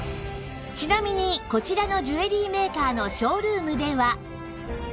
ちなみにこちらのジュエリーメーカーのショールームでは